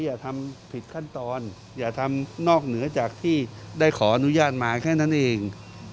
อย่าทำผิดขั้นตอนอย่าทำนอกเหนือจากที่ได้ขออนุญาตมาแค่นั้นเอง